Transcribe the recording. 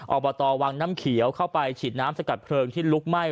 อบตวังน้ำเขียวเข้าไปฉีดน้ำสกัดเพลิงที่ลุกไหม้